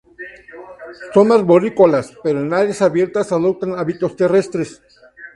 Son arborícolas, pero en áreas abierta adoptan hábitos terrestres.